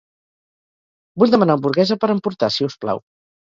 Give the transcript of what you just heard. Vull demanar hamburguesa per emportar, si us plau.